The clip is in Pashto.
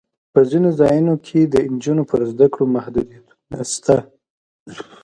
په ځینو ځایونو کې د نجونو پر زده کړو محدودیتونه شته.